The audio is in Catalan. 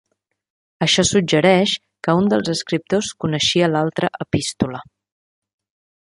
Això suggereix que un dels escriptors coneixia l'altra epístola.